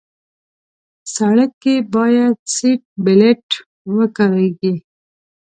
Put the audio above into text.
سړک کې باید سیټ بیلټ وکارېږي.